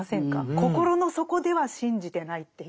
心の底では信じてないっていう。